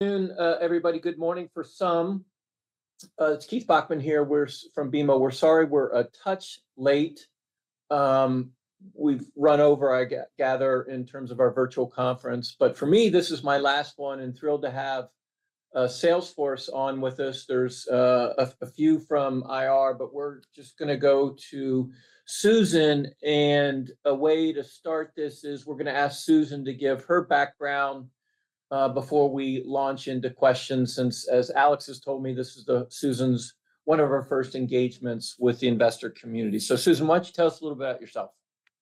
Everybody, good morning for some. It's Keith Bachman here. We're from BMO. We're sorry we're a touch late. We've run over, I gather, in terms of our virtual conference. For me, this is my last one, and thrilled to have Salesforce on with us. There's a few from IR, but we're just going to go to Susan. A way to start this is we're going to ask Susan to give her background before we launch into questions, since as Alex has told me, this is one of our first engagements with the investor community. Susan, why don't you tell us a little bit about yourself?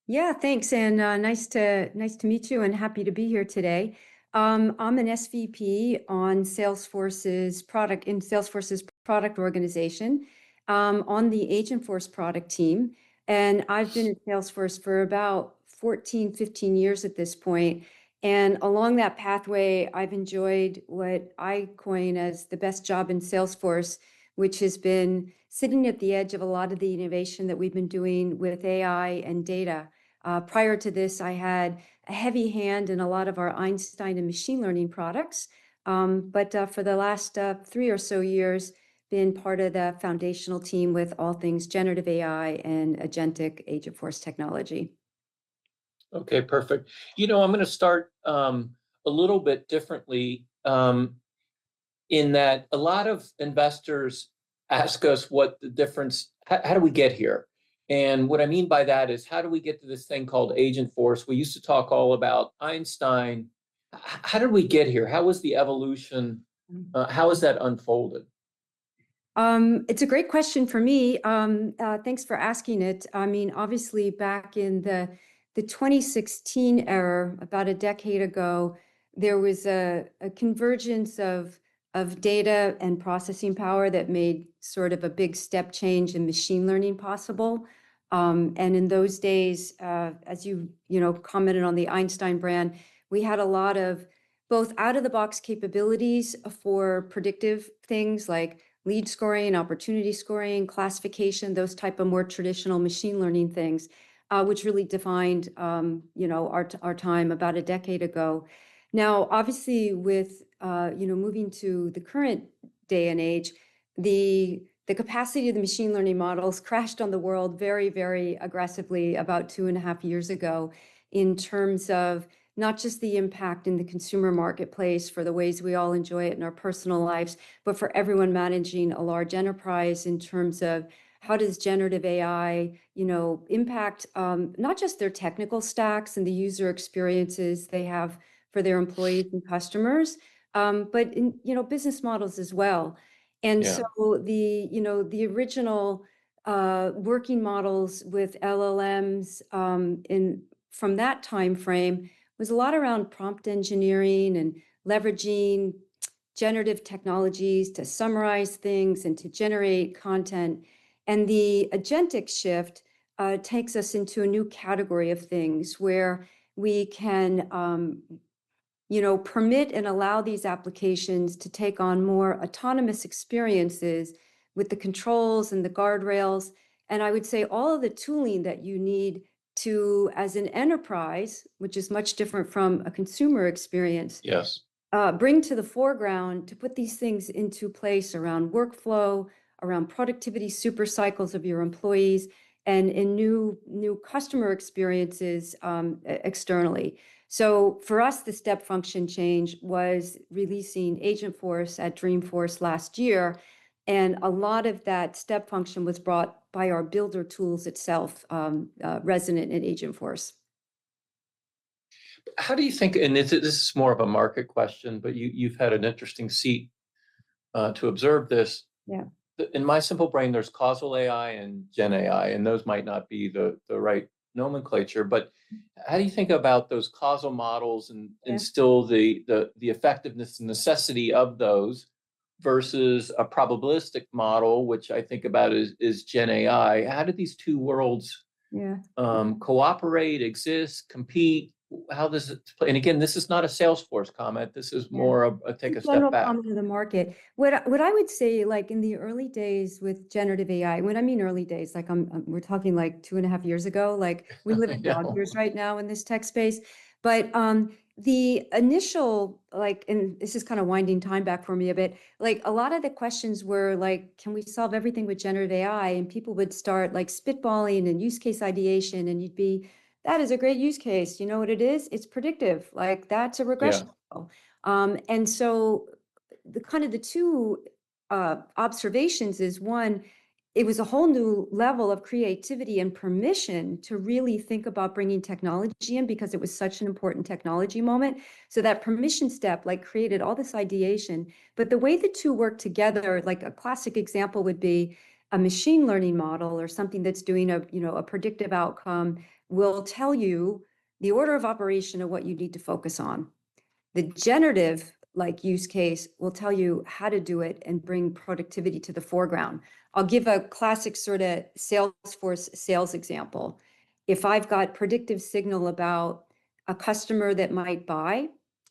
Yeah, thanks. Nice to meet you and happy to be here today. I'm an SVP in Salesforce's product organization on the Agentforce product team. I've been at Salesforce for about 14, 15 years at this point. Along that pathway, I've enjoyed what I coin as the best job in Salesforce, which has been sitting at the edge of a lot of the innovation that we've been doing with AI and data. Prior to this, I had a heavy hand in a lot of our Einstein and machine learning products. For the last three or so years, I've been part of the foundational team with all things generative AI and agentic Agentforce technology. OK, perfect. You know, I'm going to start a little bit differently in that a lot of investors ask us what the difference, how did we get here? And what I mean by that is, how do we get to this thing called Agentforce? We used to talk all about Einstein. How did we get here? How was the evolution? How has that unfolded? It's a great question for me. Thanks for asking it. I mean, obviously, back in the 2016 era, about a decade ago, there was a convergence of data and processing power that made sort of a big step change in machine learning possible. In those days, as you commented on the Einstein brand, we had a lot of both out-of-the-box capabilities for predictive things like lead scoring, opportunity scoring, classification, those types of more traditional machine learning things, which really defined our time about a decade ago. Now, obviously, with moving to the current day and age, the capacity of the machine learning models crashed on the world very, very aggressively about two and a half years ago in terms of not just the impact in the consumer marketplace for the ways we all enjoy it in our personal lives, but for everyone managing a large enterprise in terms of how does generative AI impact not just their technical stacks and the user experiences they have for their employees and customers, but business models as well. The original working models with LLMs from that time frame was a lot around prompt engineering and leveraging generative technologies to summarize things and to generate content. The agentic shift takes us into a new category of things where we can permit and allow these applications to take on more autonomous experiences with the controls and the guardrails. All of the tooling that you need to, as an enterprise, which is much different from a consumer experience, bring to the foreground to put these things into place around workflow, around productivity, super cycles of your employees, and in new customer experiences externally. For us, the step function change was releasing Agentforce at Dreamforce last year. A lot of that step function was brought by our builder tools itself, resonant in Agentforce. How do you think, and this is more of a market question, but you've had an interesting seat to observe this? Yeah. In my simple brain, there's causal AI and Gen AI, and those might not be the right nomenclature. How do you think about those causal models and still the effectiveness and necessity of those versus a probabilistic model, which I think about as Gen AI? How do these two worlds cooperate, exist, compete? How does it play? Again, this is not a Salesforce comment. This is more of a take a step back. I don't know how to market. What I would say, like in the early days with generative AI, when I mean early days, like we're talking like two and a half years ago, like we live in dog years right now in this tech space. The initial, and this is kind of winding time back for me a bit, like a lot of the questions were like, can we solve everything with generative AI? People would start like spitballing and use case ideation. You'd be, that is a great use case. You know what it is? It's predictive. Like that's a regression. The two observations is one, it was a whole new level of creativity and permission to really think about bringing technology in because it was such an important technology moment. That permission step like created all this ideation. The way the two work together, like a classic example would be a machine learning model or something that's doing a predictive outcome will tell you the order of operation of what you need to focus on. The generative use case will tell you how to do it and bring productivity to the foreground. I'll give a classic sort of Salesforce sales example. If I've got predictive signal about a customer that might buy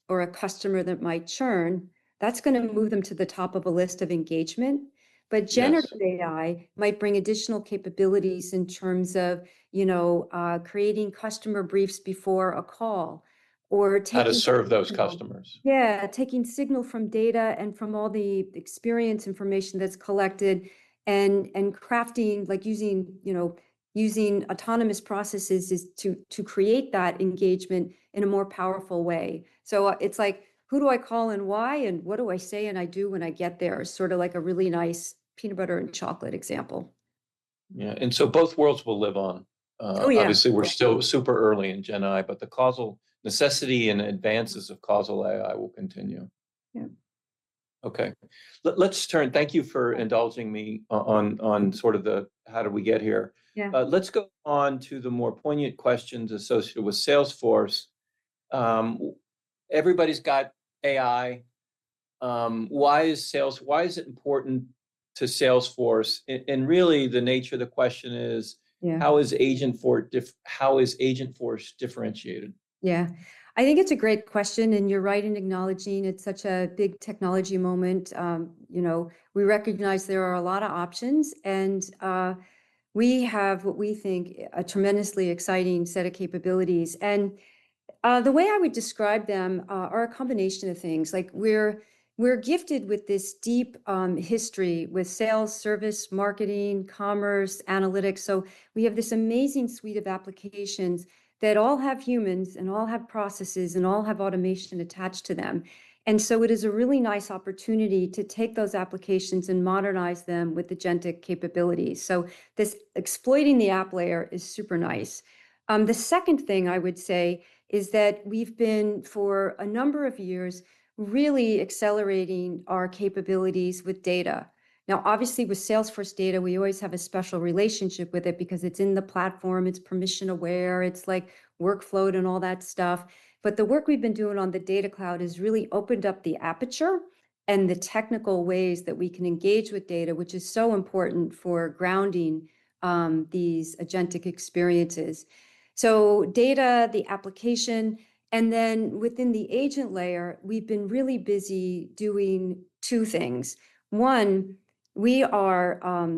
or a customer that might churn, that's going to move them to the top of a list of engagement. Generative AI might bring additional capabilities in terms of creating customer briefs before a call or. How to serve those customers. Yeah, taking signal from data and from all the experience information that's collected and crafting, like using autonomous processes to create that engagement in a more powerful way. It is like, who do I call and why? And what do I say and I do when I get there? Sort of like a really nice peanut butter and chocolate example. Yeah. And so both worlds will live on. Oh, yeah. Obviously, we're still super early in Gen AI, but the causal necessity and advances of causal AI will continue. Yeah. OK. Thank you for indulging me on sort of the how did we get here. Yeah. Let's go on to the more poignant questions associated with Salesforce. Everybody's got AI. Why is it important to Salesforce? And really, the nature of the question is, how is Agentforce differentiated? Yeah. I think it's a great question. You're right in acknowledging it's such a big technology moment. We recognize there are a lot of options. We have, what we think, a tremendously exciting set of capabilities. The way I would describe them are a combination of things. Like we're gifted with this deep history with sales, service, marketing, commerce, analytics. We have this amazing suite of applications that all have humans and all have processes and all have automation attached to them. It is a really nice opportunity to take those applications and modernize them with the agentic capabilities. This exploiting the app layer is super nice. The second thing I would say is that we've been, for a number of years, really accelerating our capabilities with data. Now, obviously, with Salesforce data, we always have a special relationship with it because it's in the platform. It's permission aware. It's workflowed and all that stuff. The work we've been doing on the Data Cloud has really opened up the aperture and the technical ways that we can engage with data, which is so important for grounding these agentic experiences. Data, the application. Within the agent layer, we've been really busy doing two things. One, we are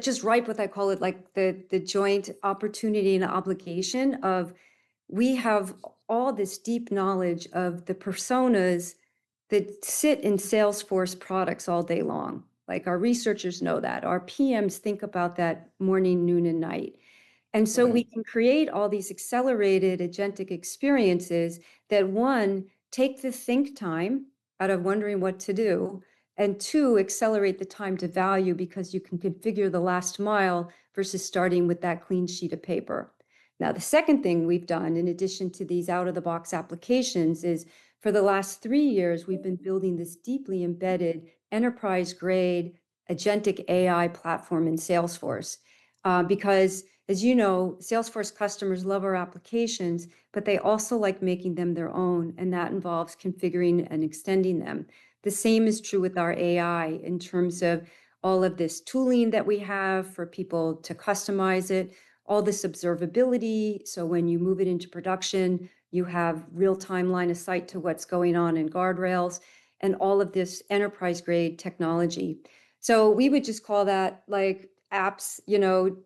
just ripe with, I call it like the joint opportunity and obligation of we have all this deep knowledge of the personas that sit in Salesforce products all day long. Like our researchers know that. Our PMs think about that morning, noon, and night. We can create all these accelerated agentic experiences that, one, take the think time out of wondering what to do, and two, accelerate the time to value because you can configure the last mile versus starting with that clean sheet of paper. The second thing we have done, in addition to these out-of-the-box applications, is for the last three years, we have been building this deeply embedded enterprise-grade agentic AI platform in Salesforce. Because, as you know, Salesforce customers love our applications, but they also like making them their own. That involves configuring and extending them. The same is true with our AI in terms of all of this tooling that we have for people to customize it, all this observability. When you move it into production, you have real-time line of sight to what is going on in guardrails and all of this enterprise-grade technology. We would just call that like apps,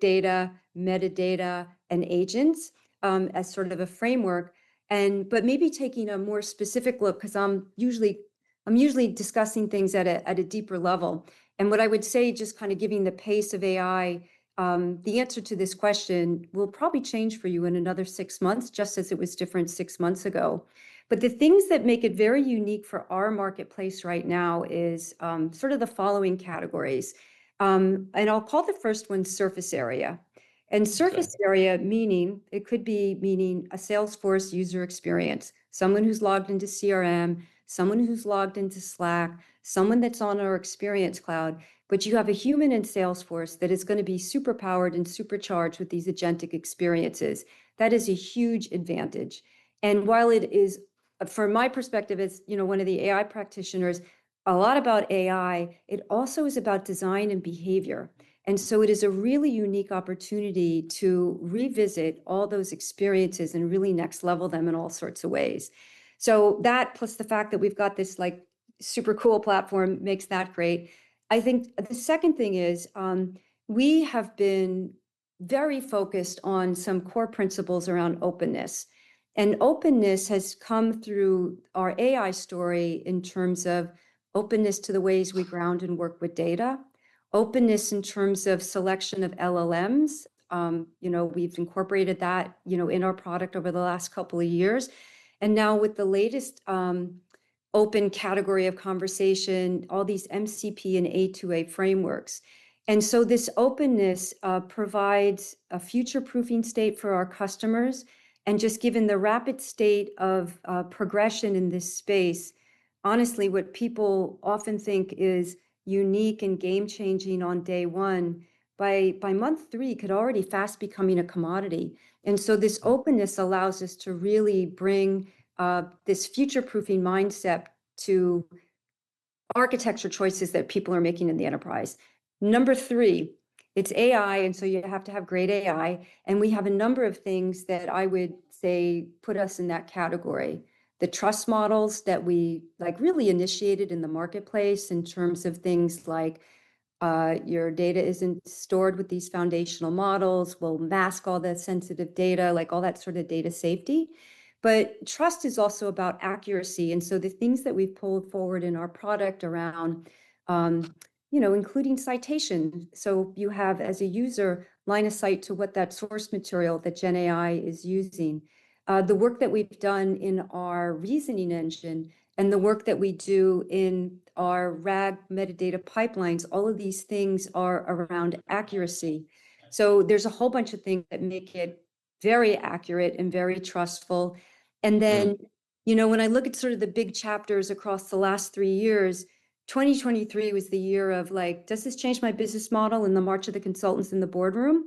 data, metadata, and agents as sort of a framework. Maybe taking a more specific look because I'm usually discussing things at a deeper level. What I would say, just kind of giving the pace of AI, the answer to this question will probably change for you in another six months, just as it was different six months ago. The things that make it very unique for our marketplace right now are sort of the following categories. I'll call the first one surface area. Surface area, meaning it could be a Salesforce user experience, someone who's logged into CRM, someone who's logged into Slack, someone that's on our Experience Cloud. You have a human in Salesforce that is going to be super powered and supercharged with these agentic experiences. That is a huge advantage. While it is, from my perspective, it's one of the AI practitioners, a lot about AI, it also is about design and behavior. It is a really unique opportunity to revisit all those experiences and really next level them in all sorts of ways. That, plus the fact that we've got this super cool platform, makes that great. I think the second thing is we have been very focused on some core principles around openness. Openness has come through our AI story in terms of openness to the ways we ground and work with data, openness in terms of selection of LLMs. We've incorporated that in our product over the last couple of years. Now with the latest open category of conversation, all these MCP and A2A frameworks. This openness provides a future-proofing state for our customers. Just given the rapid state of progression in this space, honestly, what people often think is unique and game-changing on day one, by month three, it could already fast be coming a commodity. This openness allows us to really bring this future-proofing mindset to architecture choices that people are making in the enterprise. Number three, it's AI. You have to have great AI. We have a number of things that I would say put us in that category. The trust models that we really initiated in the marketplace in terms of things like your data is not stored with these foundational models, we will mask all that sensitive data, like all that sort of data safety. Trust is also about accuracy. The things that we have pulled forward in our product around including citation. You have, as a user, line of sight to what that source material that Gen AI is using. The work that we've done in our reasoning engine and the work that we do in our RAG metadata pipelines, all of these things are around accuracy. There is a whole bunch of things that make it very accurate and very trustful. When I look at sort of the big chapters across the last three years, 2023 was the year of like, does this change my business model in the march of the consultants in the boardroom?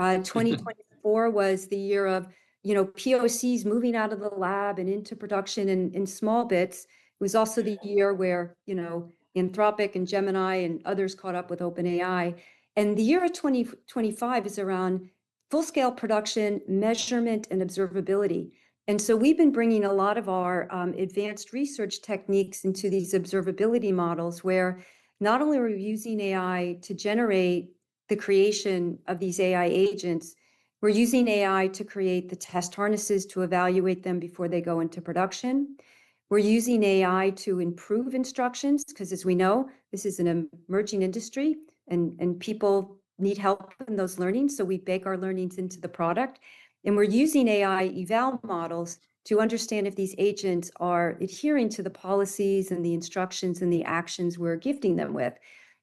2024 was the year of POCs moving out of the lab and into production in small bits. It was also the year where Anthropic and Gemini and others caught up with OpenAI. The year of 2025 is around full-scale production, measurement, and observability. We have been bringing a lot of our advanced research techniques into these observability models where not only are we using AI to generate the creation of these AI agents, we are using AI to create the test harnesses to evaluate them before they go into production. We are using AI to improve instructions because, as we know, this is an emerging industry and people need help in those learnings. We bake our learnings into the product. We are using AI eval models to understand if these agents are adhering to the policies and the instructions and the actions we are gifting them with.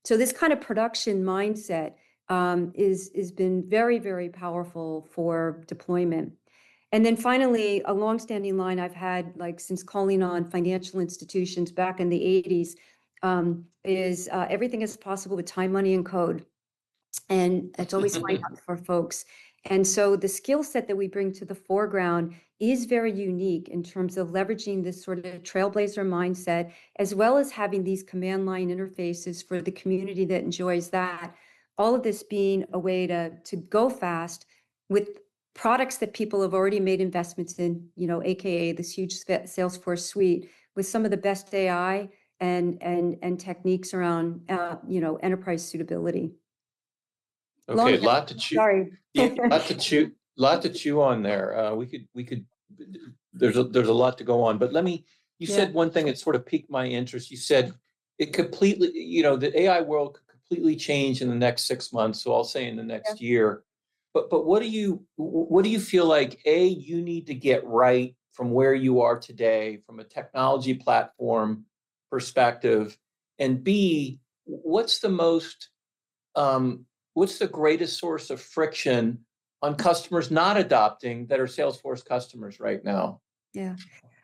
This kind of production mindset has been very, very powerful for deployment. Finally, a long-standing line I have had since calling on financial institutions back in the 1980s is everything is possible with time, money, and code. It is always fine for folks. The skill set that we bring to the foreground is very unique in terms of leveraging this sort of trailblazer mindset as well as having these command line interfaces for the community that enjoys that, all of this being a way to go fast with products that people have already made investments in, a.k.a. this huge Salesforce suite with some of the best AI and techniques around enterprise suitability. OK, a lot to chew. Sorry. A lot to chew on there. There is a lot to go on. You said one thing that sort of piqued my interest. You said the AI world could completely change in the next six months. I will say in the next year. What do you feel like, A, you need to get right from where you are today from a technology platform perspective? B, what is the greatest source of friction on customers not adopting that are Salesforce customers right now? Yeah.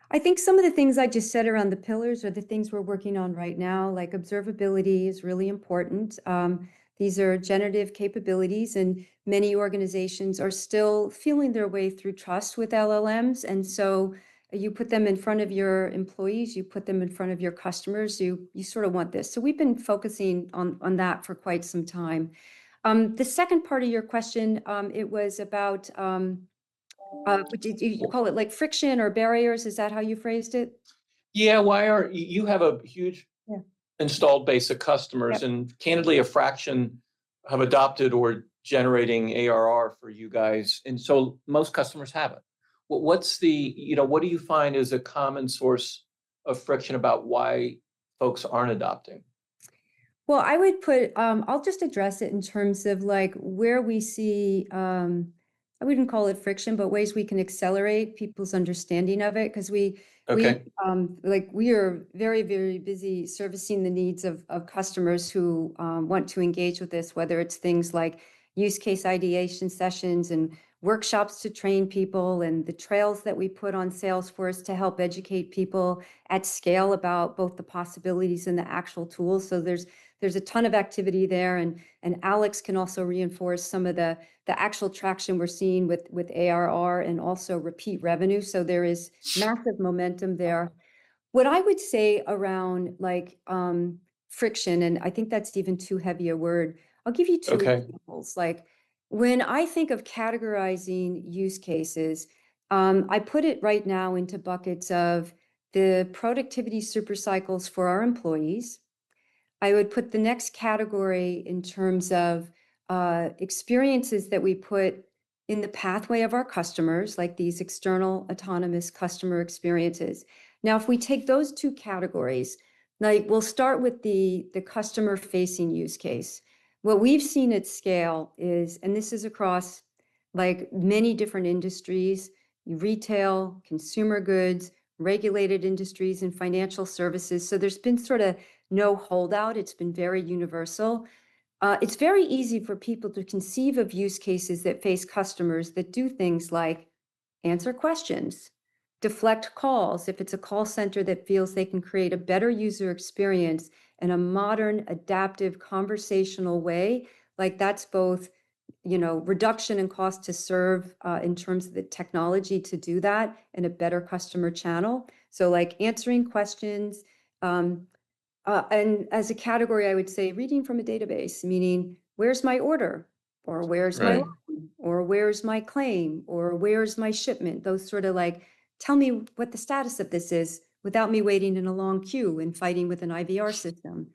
I think some of the things I just said around the pillars are the things we're working on right now. Like observability is really important. These are generative capabilities. And many organizations are still feeling their way through trust with LLMs. You put them in front of your employees. You put them in front of your customers. You sort of want this. We've been focusing on that for quite some time. The second part of your question, it was about, did you call it like friction or barriers? Is that how you phrased it? Yeah. You have a huge installed base of customers. And candidly, a fraction have adopted or are generating ARR for you guys. And so most customers have it. What do you find is a common source of friction about why folks aren't adopting? I will just address it in terms of where we see, I would not call it friction, but ways we can accelerate people's understanding of it. Because we are very, very busy servicing the needs of customers who want to engage with this, whether it is things like use case ideation sessions and workshops to train people and the trails that we put on Salesforce to help educate people at scale about both the possibilities and the actual tools. There is a ton of activity there. Alex can also reinforce some of the actual traction we are seeing with ARR and also repeat revenue. There is massive momentum there. What I would say around friction, and I think that is even too heavy a word, I will give you two examples. When I think of categorizing use cases, I put it right now into buckets of the productivity supercycles for our employees. I would put the next category in terms of experiences that we put in the pathway of our customers, like these external autonomous customer experiences. Now, if we take those two categories, we'll start with the customer-facing use case. What we've seen at scale is, and this is across many different industries, retail, consumer goods, regulated industries, and financial services. There's been sort of no holdout. It's been very universal. It's very easy for people to conceive of use cases that face customers that do things like answer questions, deflect calls. If it's a call center that feels they can create a better user experience in a modern, adaptive conversational way, that's both reduction in cost to serve in terms of the technology to do that and a better customer channel. Answering questions. As a category, I would say reading from a database, meaning where's my order? Or where's my line? Or where's my claim? Or where's my shipment? Those sort of like, tell me what the status of this is without me waiting in a long queue and fighting with an IVR system.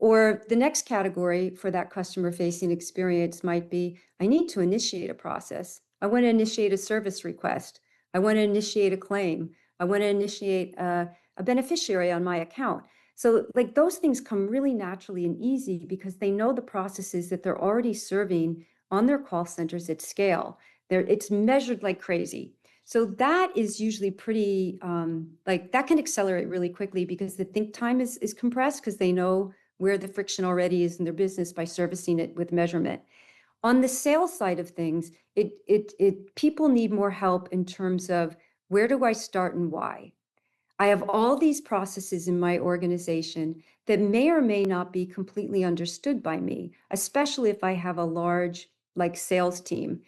The next category for that customer-facing experience might be, I need to initiate a process. I want to initiate a service request. I want to initiate a claim. I want to initiate a beneficiary on my account. Those things come really naturally and easy because they know the processes that they're already serving on their call centers at scale. It's measured like crazy. That is usually pretty, that can accelerate really quickly because the think time is compressed because they know where the friction already is in their business by servicing it with measurement. On the sales side of things, people need more help in terms of where do I start and why. I have all these processes in my organization that may or may not be completely understood by me, especially if I have a large sales team.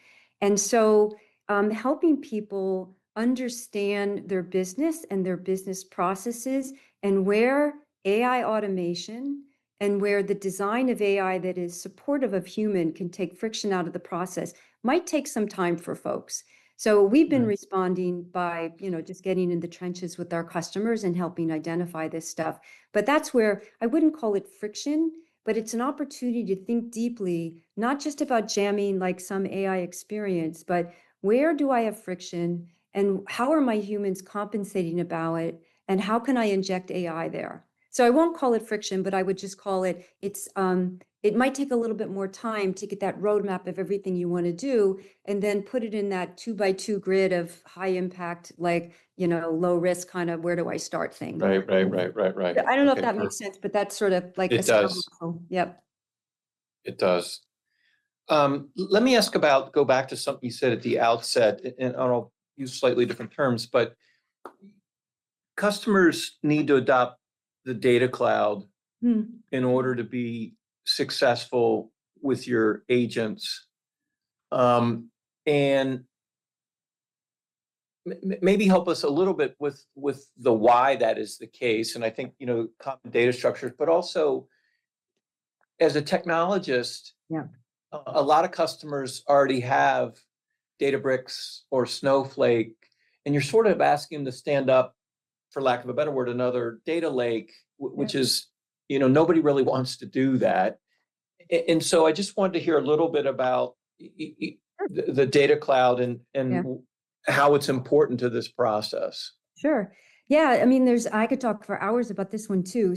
Helping people understand their business and their business processes and where AI automation and where the design of AI that is supportive of human can take friction out of the process might take some time for folks. We have been responding by just getting in the trenches with our customers and helping identify this stuff. That is where I would not call it friction, but it is an opportunity to think deeply, not just about jamming like some AI experience, but where do I have friction and how are my humans compensating about it and how can I inject AI there? I will not call it friction, but I would just call it it might take a little bit more time to get that roadmap of everything you want to do and then put it in that two-by-two grid of high impact, low risk, kind of where do I start thing. Right. I don't know if that makes sense, but that's sort of like a struggle. It does. Yep. It does. Let me ask about, go back to something you said at the outset. I'll use slightly different terms, but customers need to adopt the Data Cloud in order to be successful with your agents. Maybe help us a little bit with why that is the case. I think common data structures, but also as a technologist, a lot of customers already have Databricks or Snowflake. You're sort of asking them to stand up, for lack of a better word, another data lake, which is, nobody really wants to do that. I just wanted to hear a little bit about the Data Cloud and how it's important to this process. Sure. Yeah. I mean, I could talk for hours about this one too.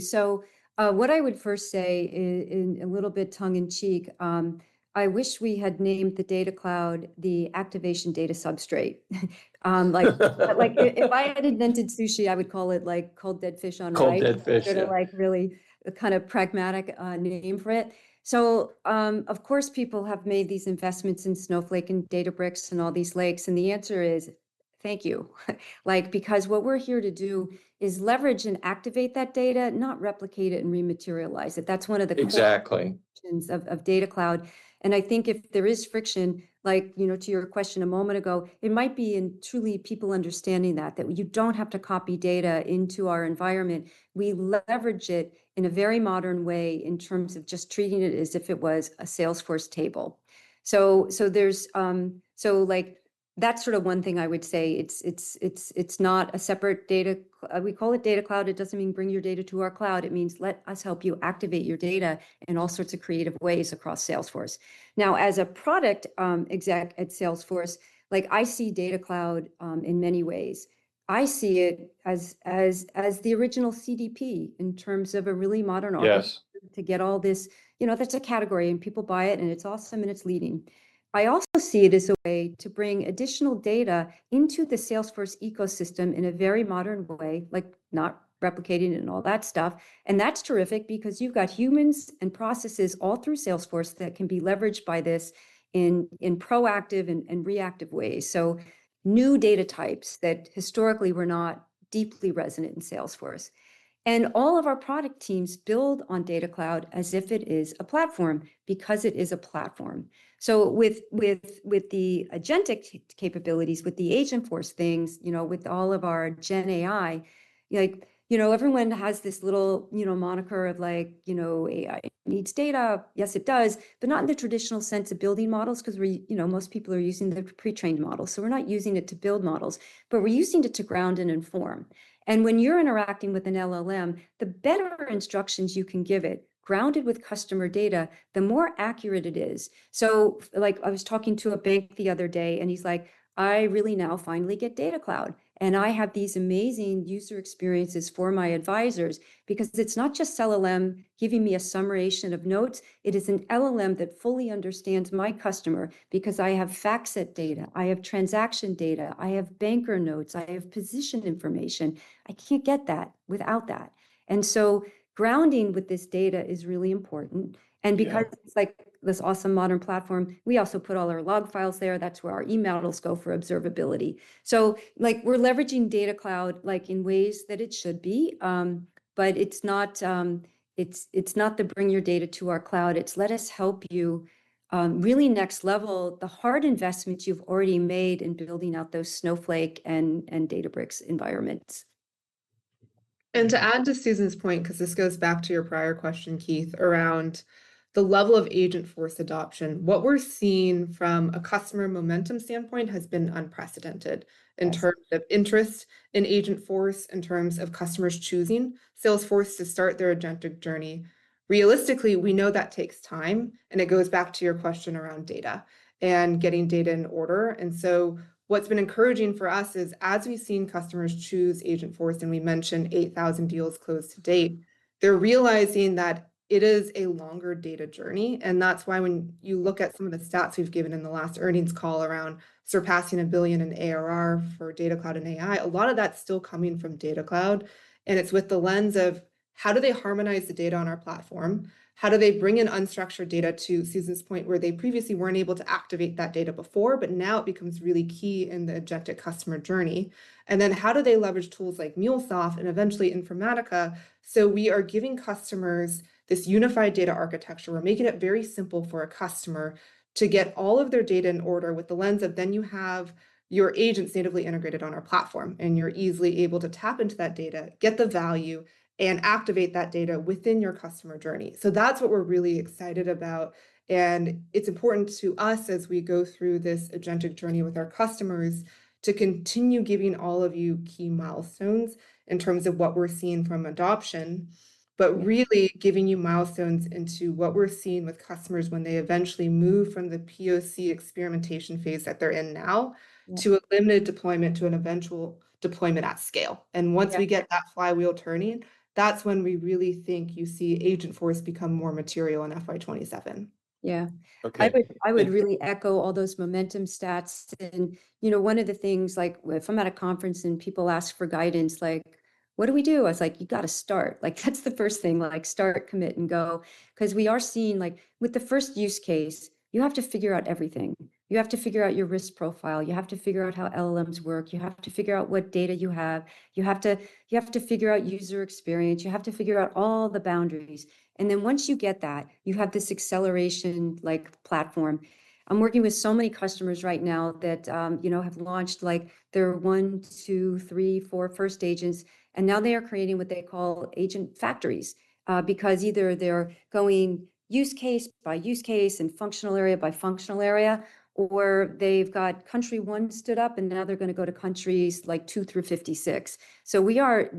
What I would first say, in a little bit tongue in cheek, I wish we had named the Data Cloud the activation data substrate. If I had invented sushi, I would call it cold dead fish on rice. Cold dead fish. Really kind of pragmatic name for it. Of course, people have made these investments in Snowflake and Databricks and all these lakes. The answer is thank you. What we are here to do is leverage and activate that data, not replicate it and rematerialize it. That is one of the questions of Data Cloud. I think if there is friction, like to your question a moment ago, it might be in truly people understanding that you do not have to copy data into our environment. We leverage it in a very modern way in terms of just treating it as if it was a Salesforce table. That is sort of one thing I would say. It is not a separate data. We call it Data Cloud. It does not mean bring your data to our cloud. It means let us help you activate your data in all sorts of creative ways across Salesforce. Now, as a product exec at Salesforce, I see Data Cloud in many ways. I see it as the original CDP in terms of a really modern office to get all this. That is a category. And people buy it. And it is awesome. And it is leading. I also see it as a way to bring additional data into the Salesforce ecosystem in a very modern way, like not replicating it and all that stuff. That is terrific because you have got humans and processes all through Salesforce that can be leveraged by this in proactive and reactive ways. New data types that historically were not deeply resonant in Salesforce. All of our product teams build on Data Cloud as if it is a platform because it is a platform. With the agentic capabilities, with the Agentforce things, with all of our GenAI, everyone has this little moniker of like, it needs data. Yes, it does, but not in the traditional sense of building models because most people are using the pre-trained models. We are not using it to build models, but we are using it to ground and inform. When you are interacting with an LLM, the better instructions you can give it, grounded with customer data, the more accurate it is. I was talking to a bank the other day. He is like, I really now finally get Data Cloud. I have these amazing user experiences for my advisors because it is not just LLM giving me a summarization of notes. It is an LLM that fully understands my customer because I have facts, that data. I have transaction data. I have banker notes. I have position information. I can't get that without that. Grounding with this data is really important. Because it's like this awesome modern platform, we also put all our log files there. That's where our email will go for observability. We're leveraging Data Cloud in ways that it should be. It's not the bring your data to our cloud. It's let us help you really next level the hard investments you've already made in building out those Snowflake and Databricks environments. To add to Susan's point, because this goes back to your prior question, Keith, around the level of Agentforce adoption, what we're seeing from a customer momentum standpoint has been unprecedented in terms of interest in Agentforce in terms of customers choosing Salesforce to start their agentic journey. Realistically, we know that takes time. It goes back to your question around data and getting data in order. What's been encouraging for us is as we've seen customers choose Agentforce, and we mentioned 8,000 deals closed to date, they're realizing that it is a longer data journey. That's why when you look at some of the stats we've given in the last earnings call around surpassing $1 billion in ARR for Data Cloud and AI, a lot of that's still coming from Data Cloud. It is with the lens of how do they harmonize the data on our platform? How do they bring in unstructured data, to Susan's point, where they previously were not able to activate that data before, but now it becomes really key in the objective customer journey? How do they leverage tools like MuleSoft and eventually Informatica, so we are giving customers this unified data architecture? We are making it very simple for a customer to get all of their data in order with the lens of then you have your agents natively integrated on our platform. You are easily able to tap into that data, get the value, and activate that data within your customer journey. That is what we are really excited about. It is important to us as we go through this agentic journey with our customers to continue giving all of you key milestones in terms of what we are seeing from adoption, but really giving you milestones into what we are seeing with customers when they eventually move from the POC experimentation phase that they are in now to a limited deployment to an eventual deployment at scale. Once we get that flywheel turning, that is when we really think you see Agentforce become more material in fiscal year 2027. Yeah. I would really echo all those momentum stats. One of the things, like if I'm at a conference and people ask for guidance, like, what do we do? I was like, you've got to start. That's the first thing. Start, commit, and go. We are seeing with the first use case, you have to figure out everything. You have to figure out your risk profile. You have to figure out how LLMs work. You have to figure out what data you have. You have to figure out user experience. You have to figure out all the boundaries. Once you get that, you have this acceleration platform. I'm working with so many customers right now that have launched their one, two, three, four first agents. They are creating what they call agent factories because either they are going use case by use case and functional area by functional area, or they have country one stood up. Now they are going to go to countries like two through 56. We are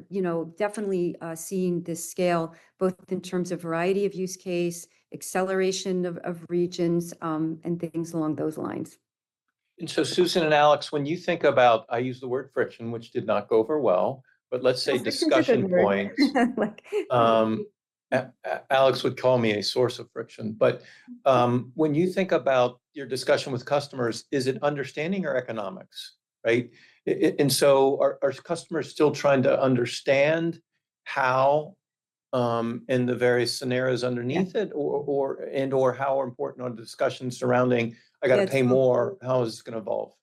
definitely seeing this scale both in terms of variety of use case, acceleration of regions, and things along those lines. Susan and Alex, when you think about, I use the word friction, which did not go over well, but let's say discussion points. Alex would call me a source of friction. When you think about your discussion with customers, is it understanding or economics? Are customers still trying to understand how in the various scenarios underneath it and/or how important are the discussions surrounding, I got to pay more, how is this going to evolve?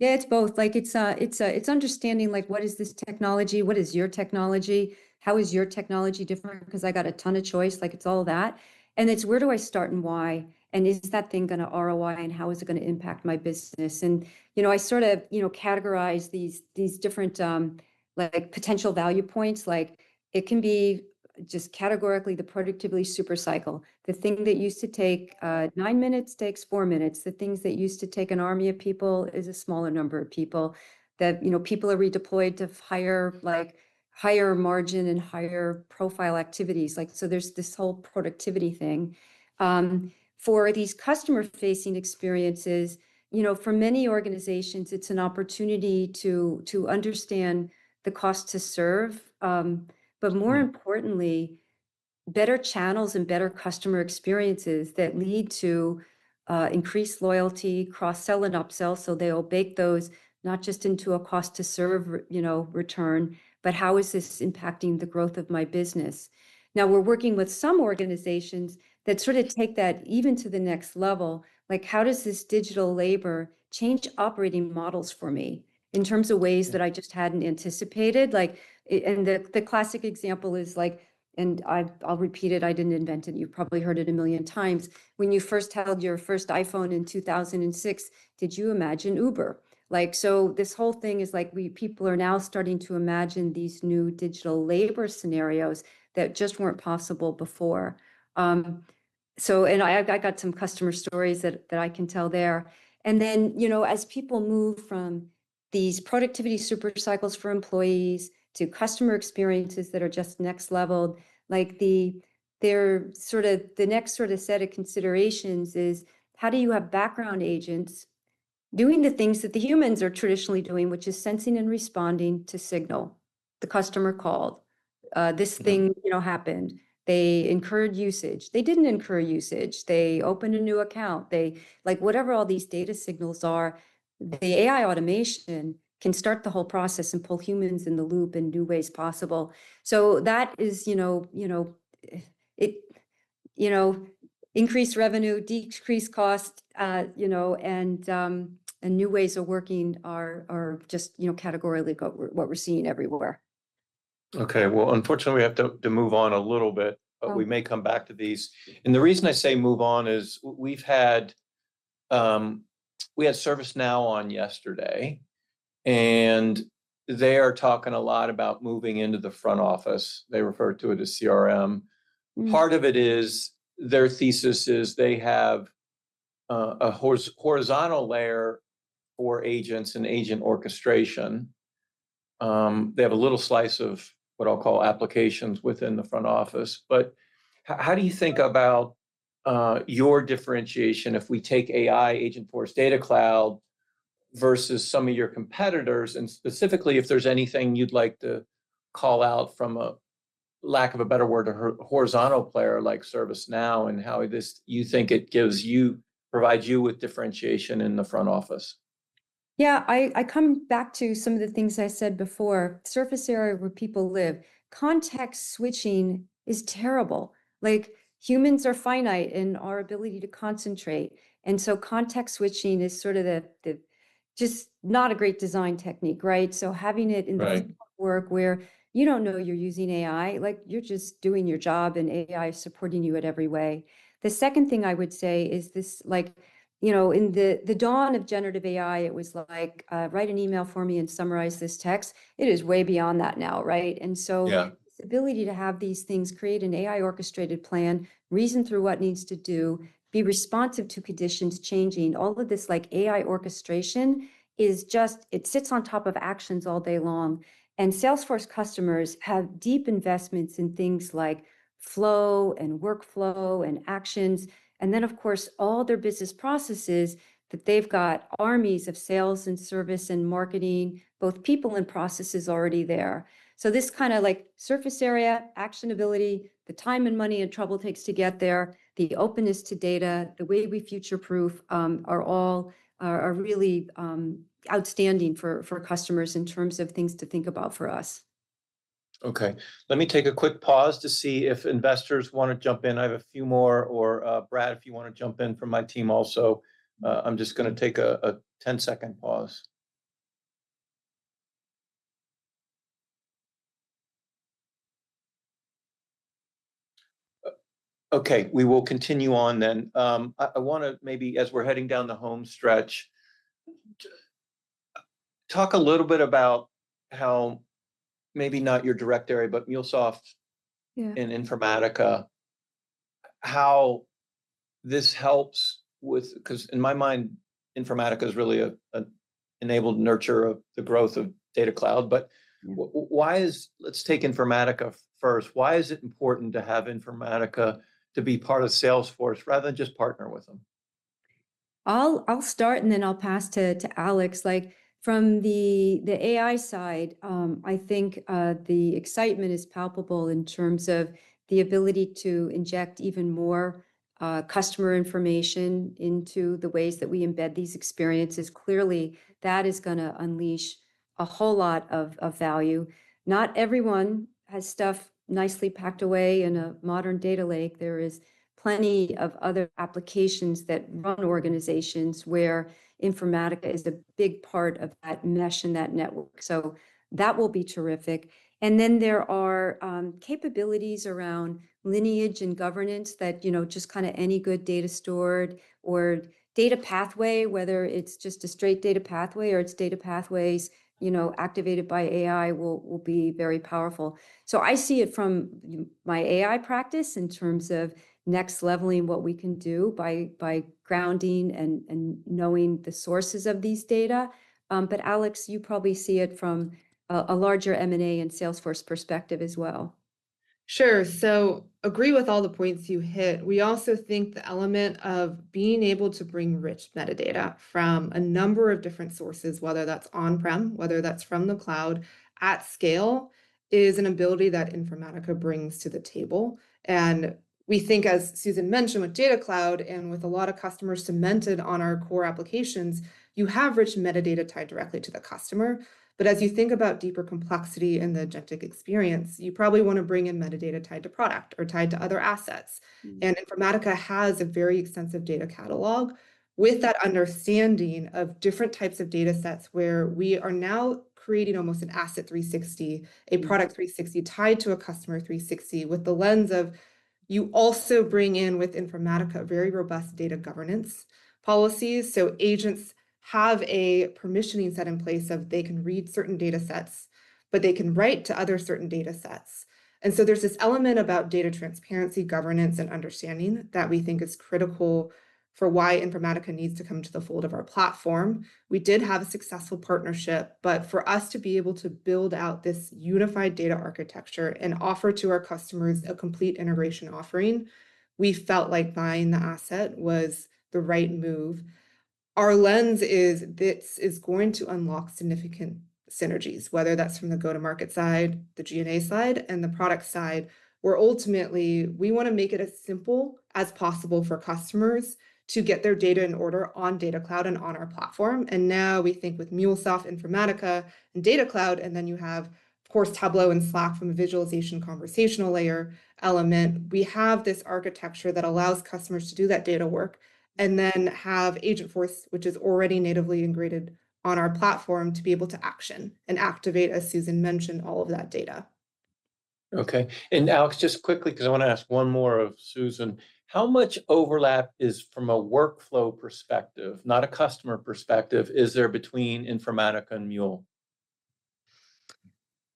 Yeah, it's both. It's understanding what is this technology? What is your technology? How is your technology different? Because I got a ton of choice. It's all that. It's where do I start and why? Is that thing going to ROI? How is it going to impact my business? I sort of categorize these different potential value points. It can be just categorically the productivity supercycle. The thing that used to take nine minutes takes four minutes. The things that used to take an army of people is a smaller number of people. People are redeployed to higher margin and higher profile activities. There is this whole productivity thing. For these customer-facing experiences, for many organizations, it's an opportunity to understand the cost to serve. More importantly, better channels and better customer experiences that lead to increased loyalty, cross-sell, and upsell. They obey those not just into a cost to serve return, but how is this impacting the growth of my business? Now, we're working with some organizations that sort of take that even to the next level. How does this digital labor change operating models for me in terms of ways that I just hadn't anticipated? The classic example is, and I'll repeat it. I didn't invent it. You've probably heard it a million times. When you first held your first iPhone in 2006, did you imagine Uber? This whole thing is like people are now starting to imagine these new digital labor scenarios that just weren't possible before. I got some customer stories that I can tell there. As people move from these productivity supercycles for employees to customer experiences that are just next level, the next sort of set of considerations is how do you have background agents doing the things that the humans are traditionally doing, which is sensing and responding to signal? The customer called. This thing happened. They incurred usage. They did not incur usage. They opened a new account. Whatever all these data signals are, the AI automation can start the whole process and pull humans in the loop in new ways possible. That is increased revenue, decreased cost, and new ways of working are just categorically what we are seeing everywhere. OK. Unfortunately, we have to move on a little bit. We may come back to these. The reason I say move on is we had ServiceNow on yesterday. They are talking a lot about moving into the front office. They refer to it as CRM. Part of it is their thesis is they have a horizontal layer for agents and agent orchestration. They have a little slice of what I'll call applications within the front office. How do you think about your differentiation if we take AI, Agentforce, Data Cloud versus some of your competitors? Specifically, if there's anything you'd like to call out from, for lack of a better word, a horizontal player like ServiceNow and how you think it provides you with differentiation in the front office? Yeah. I come back to some of the things I said before. Surface area where people live. Context switching is terrible. Humans are finite in our ability to concentrate. Context switching is sort of just not a great design technique. Having it in the work where you do not know you are using AI, you are just doing your job, and AI is supporting you in every way. The second thing I would say is in the dawn of generative AI, it was like, write an email for me and summarize this text. It is way beyond that now. The ability to have these things create an AI orchestrated plan, reason through what needs to do, be responsive to conditions changing, all of this AI orchestration is just it sits on top of actions all day long. Salesforce customers have deep investments in things like flow and workflow and actions. Of course, all their business processes have armies of sales and service and marketing, both people and processes already there. This kind of surface area, actionability, the time and money and trouble it takes to get there, the openness to data, the way we future-proof are really outstanding for customers in terms of things to think about for us. OK. Let me take a quick pause to see if investors want to jump in. I have a few more. Or Brad, if you want to jump in from my team also. I'm just going to take a 10-second pause. OK. We will continue on then. I want to maybe, as we're heading down the home stretch, talk a little bit about how maybe not your direct area, but MuleSoft and Informatica, how this helps with because in my mind, Informatica is really an enabler, nurturer of the growth of Data Cloud. But let's take Informatica first. Why is it important to have Informatica to be part of Salesforce rather than just partner with them? I'll start. Then I'll pass to Alex. From the AI side, I think the excitement is palpable in terms of the ability to inject even more customer information into the ways that we embed these experiences. Clearly, that is going to unleash a whole lot of value. Not everyone has stuff nicely packed away in a modern data lake. There are plenty of other applications that run organizations where Informatica is a big part of that mesh and that network. That will be terrific. There are capabilities around lineage and governance that just kind of any good data stored or data pathway, whether it's just a straight data pathway or it's data pathways activated by AI, will be very powerful. I see it from my AI practice in terms of next leveling what we can do by grounding and knowing the sources of these data. Alex, you probably see it from a larger M&A and Salesforce perspective as well. Sure. I agree with all the points you hit. We also think the element of being able to bring rich metadata from a number of different sources, whether that's on-prem, whether that's from the cloud at scale, is an ability that Informatica brings to the table. We think, as Susan mentioned, with Data Cloud and with a lot of customers cemented on our core applications, you have rich metadata tied directly to the customer. As you think about deeper complexity in the agentic experience, you probably want to bring in metadata tied to product or tied to other assets. Informatica has a very extensive data catalog with that understanding of different types of data sets where we are now creating almost an asset 360, a product 360 tied to a customer 360 with the lens of you also bring in with Informatica very robust data governance policies. Agents have a permissioning set in place of they can read certain data sets, but they can write to other certain data sets. There is this element about data transparency, governance, and understanding that we think is critical for why Informatica needs to come to the fold of our platform. We did have a successful partnership. For us to be able to build out this unified data architecture and offer to our customers a complete integration offering, we felt like buying the asset was the right move. Our lens is this is going to unlock significant synergies, whether that's from the go-to-market side, the G&A side, and the product side, where ultimately we want to make it as simple as possible for customers to get their data in order on Data Cloud and on our platform. Now we think with MuleSoft, Informatica, and Data Cloud, and then you have, of course, Tableau and Slack from a visualization conversational layer element, we have this architecture that allows customers to do that data work and then have Agentforce, which is already natively integrated on our platform, to be able to action and activate, as Susan mentioned, all of that data. OK. Alex, just quickly because I want to ask one more of Susan. How much overlap is from a workflow perspective, not a customer perspective, is there between Informatica and MuleSoft?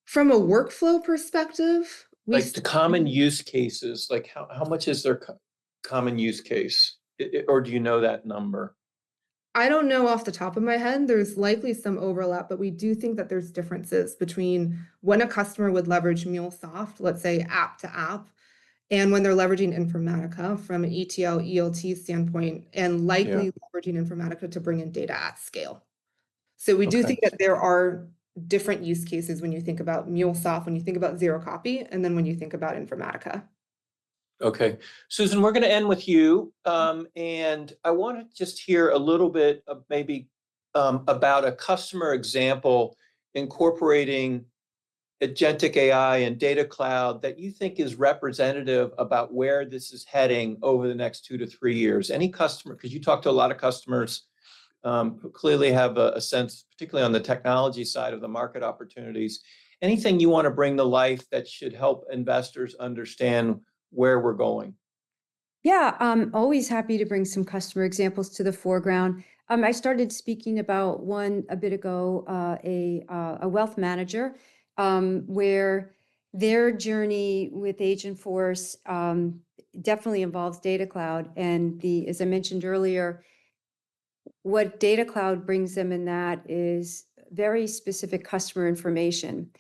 From a workflow perspective. The common use cases, how much is their common use case? Or do you know that number? I don't know off the top of my head. There's likely some overlap. We do think that there's differences between when a customer would leverage MuleSoft, let's say app to app, and when they're leveraging Informatica from an ETL, ELT standpoint, and likely leveraging Informatica to bring in data at scale. We do think that there are different use cases when you think about MuleSoft, when you think about Zero Copy, and then when you think about Informatica. OK. Susan, we're going to end with you. I want to just hear a little bit maybe about a customer example incorporating agentic AI and Data Cloud that you think is representative about where this is heading over the next two to three years. Because you talked to a lot of customers, clearly have a sense, particularly on the technology side of the market opportunities. Anything you want to bring to life that should help investors understand where we're going? Yeah. I'm always happy to bring some customer examples to the foreground. I started speaking about one a bit ago, a wealth manager, where their journey with Agentforce definitely involves Data Cloud. As I mentioned earlier, what Data Cloud brings them in that is very specific customer information.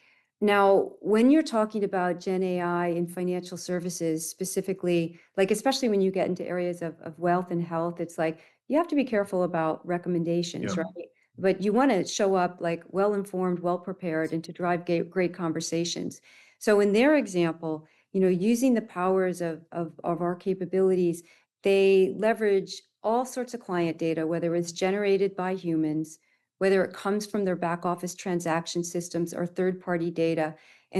Now, when you're talking about GenAI and financial services specifically, especially when you get into areas of wealth and health, it's like you have to be careful about recommendations. You want to show up well-informed, well-prepared, and to drive great conversations. In their example, using the powers of our capabilities, they leverage all sorts of client data, whether it's generated by humans, whether it comes from their back office transaction systems or third-party data.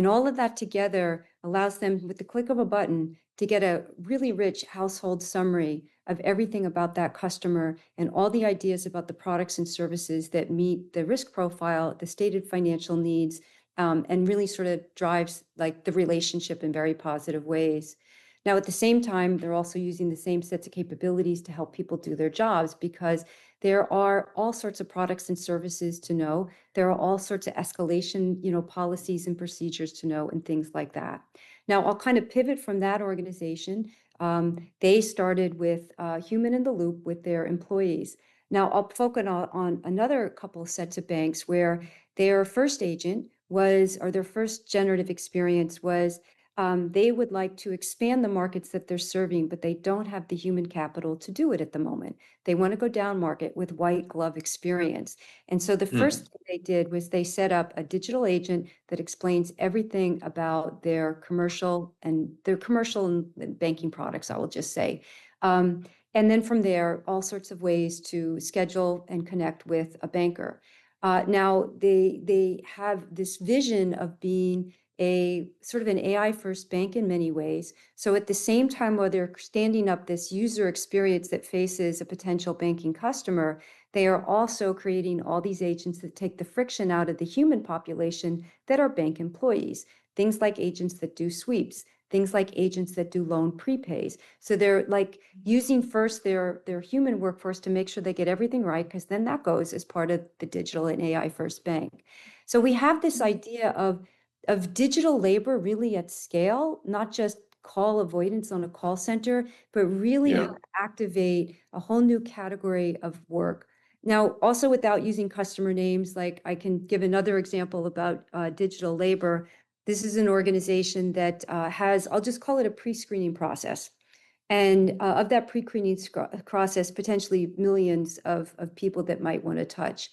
All of that together allows them, with the click of a button, to get a really rich household summary of everything about that customer and all the ideas about the products and services that meet the risk profile, the stated financial needs, and really sort of drives the relationship in very positive ways. At the same time, they're also using the same sets of capabilities to help people do their jobs because there are all sorts of products and services to know. There are all sorts of escalation policies and procedures to know and things like that. I'll kind of pivot from that organization. They started with human in the loop with their employees. Now, I'll focus on another couple of sets of banks where their first agent or their first generative experience was they would like to expand the markets that they're serving, but they don't have the human capital to do it at the moment. They want to go down market with white glove experience. The first thing they did was they set up a digital agent that explains everything about their commercial and their commercial banking products, I will just say. From there, all sorts of ways to schedule and connect with a banker. Now, they have this vision of being sort of an AI-first bank in many ways. At the same time, while they're standing up this user experience that faces a potential banking customer, they are also creating all these agents that take the friction out of the human population that are bank employees, things like agents that do sweeps, things like agents that do loan prepays. They're using first their human workforce to make sure they get everything right because then that goes as part of the digital and AI-first bank. We have this idea of digital labor really at scale, not just call avoidance on a call center, but really activate a whole new category of work. Also, without using customer names, I can give another example about digital labor. This is an organization that has, I'll just call it a pre-screening process. Of that pre-screening process, potentially millions of people that might want to touch.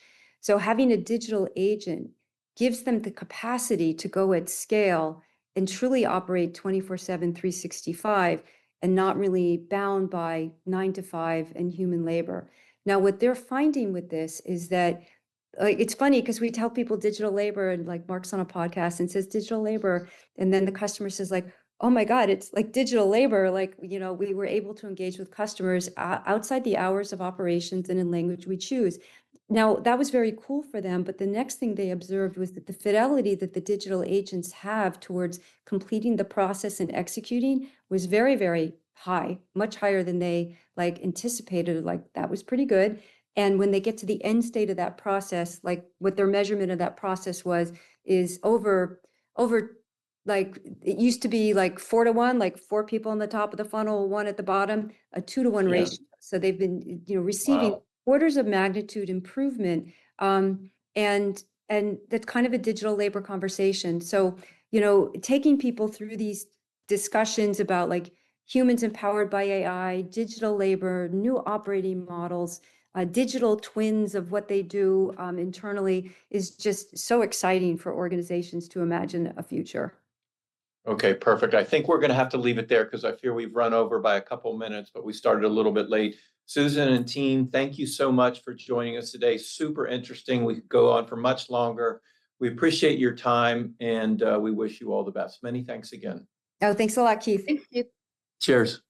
Having a digital agent gives them the capacity to go at scale and truly operate 24/7, 365, and not really bound by 9:00 A.M. to 5:00 P.M. and human labor. What they're finding with this is that it's funny because we tell people digital labor and Marc's on a podcast and says, digital labor. Then the customer says, like, oh my god, it's like digital labor. We were able to engage with customers outside the hours of operations and in language we choose. That was very cool for them. The next thing they observed was that the fidelity that the digital agents have towards completing the process and executing was very, very high, much higher than they anticipated. That was pretty good. When they get to the end state of that process, what their measurement of that process was is over. It used to be like four to one, like four people on the top of the funnel, one at the bottom, a two to one ratio. They have been receiving orders of magnitude improvement. That is kind of a digital labor conversation. Taking people through these discussions about humans empowered by AI, digital labor, new operating models, digital twins of what they do internally is just so exciting for organizations to imagine a future. OK. Perfect. I think we're going to have to leave it there because I fear we've run over by a couple of minutes, but we started a little bit late. Susan and team, thank you so much for joining us today. Super interesting. We could go on for much longer. We appreciate your time. We wish you all the best. Many thanks again. Oh, thanks a lot, Keith. Thank you. Cheers.